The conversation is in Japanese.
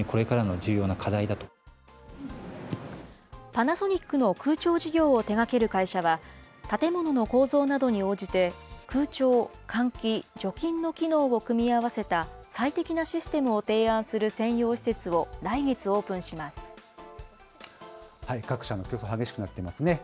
パナソニックの空調事業を手がける会社は、建物の構造などに応じて、空調、換気、除菌の機能を組み合わせた最適なシステムを提案する専用施設を来各社の競争、激しくなっていますね。